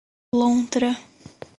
Lontra